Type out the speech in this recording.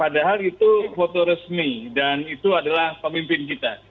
padahal itu foto resmi dan itu adalah pemimpin kita